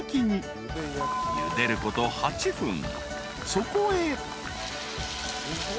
［そこへ］